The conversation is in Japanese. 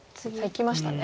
いきましたね。